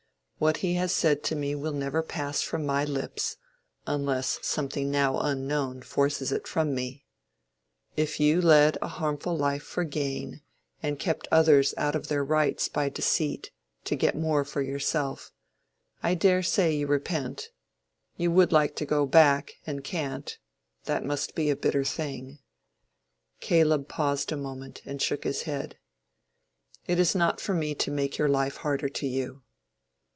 "What he has said to me will never pass from my lips, unless something now unknown forces it from me. If you led a harmful life for gain, and kept others out of their rights by deceit, to get the more for yourself, I dare say you repent—you would like to go back, and can't: that must be a bitter thing"—Caleb paused a moment and shook his head—"it is not for me to make your life harder to you."